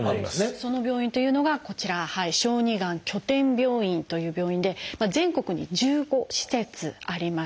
その病院というのがこちら「小児がん拠点病院」という病院で全国に１５施設あります。